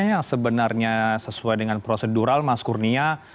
yang sebenarnya sesuai dengan prosedural mas kurnia